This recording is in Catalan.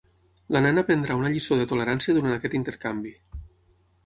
La nena aprendrà una lliçó de tolerància durant aquest intercanvi.